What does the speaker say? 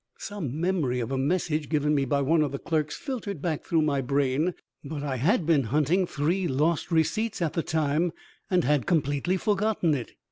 Some memory of a message given me by one of the clerks filtered back through my brain, but I had been hunting three lost receipts at the time, and had completely forgotten it.